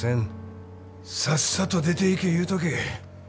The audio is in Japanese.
さっさと出ていけ言うとけ。